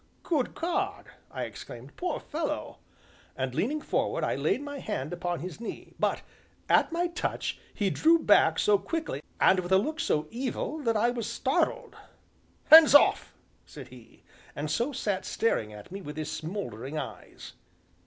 "Good God!" I exclaimed. "Poor fellow!" And, leaning forward, I laid my hand upon his knee, but, at my touch, he drew back so quickly, and with a look so evil, that I was startled. "Hands off!" said he, and so sat staring at me with his smouldering eyes.